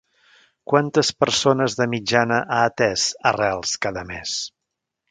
Quantes persones de mitjana ha atès Arrels cada mes?